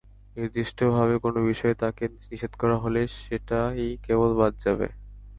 নির্দিষ্টভাবে কোনো বিষয়ে তাকে নিষেধ করা হলে সেটাই কেবল বাদ যাবে।